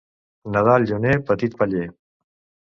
Nadal lluner, petit paller.